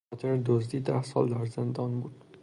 به خاطر دزدی ده سال در زندان بود.